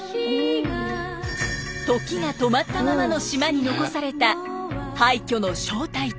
時が止まったままの島に残された廃虚の正体とは。